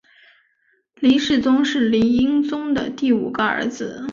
黎世宗是黎英宗的第五个儿子。